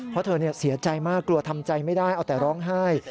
เพราะเธอเสียใจมากกลัวทำใจไม่ได้เอาแต่ร้องไห้